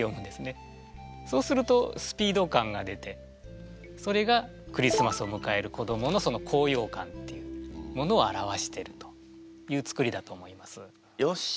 そうするとスピード感が出てそれがクリスマスを迎える子どもの高よう感っていうものを表してるというつくりだと思います。